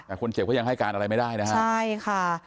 แต่คนเจ็บก็ยังให้การอะไรไม่ได้นะฮะใช่ค่ะ